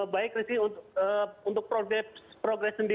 baik rizky untuk progres